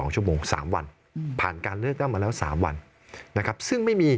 ๗๒ชั่วโมง๓วัน